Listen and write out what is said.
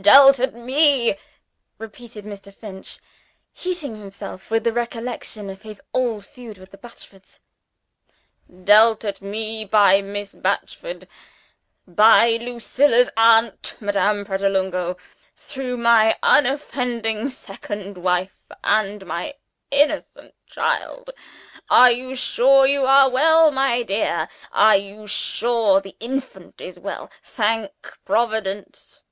Dealt at me," repeated Mr. Finch; heating himself with the recollection of his old feud with the Batchfords "Dealt at me by Miss Batchford (by Lucilla's aunt, Madame Pratolungo) through my unoffending second wife, and my innocent child. Are you sure you are well, my dear? are you sure the infant is well? Thank Providence!